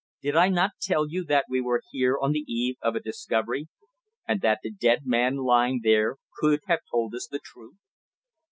"Did I not tell you that we were on the eve of a discovery, and that the dead man lying there could have told us the truth?"